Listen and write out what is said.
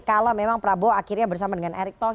kalau memang prabowo akhirnya bersama dengan erik